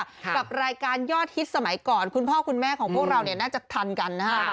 กับรายการยอดฮิตสมัยก่อนคุณพ่อคุณแม่ของพวกเราเนี่ยน่าจะทันกันนะฮะ